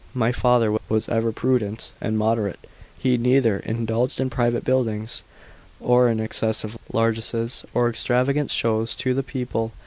My father was evr prudent and moderate; he neither indulged in private buildings, n«»r in excessive largesses, or extravagant shows to the people.